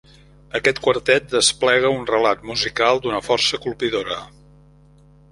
Aquest quartet desplega un relat musical d'una força colpidora.